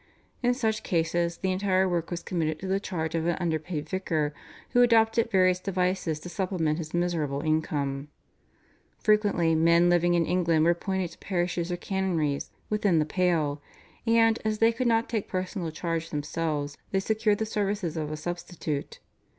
In such cases the entire work was committed to the charge of an underpaid vicar who adopted various devices to supplement his miserable income. Frequently men living in England were appointed to parishes or canonries within the Pale, and, as they could not take personal charge themselves, they secured the services of a substitute.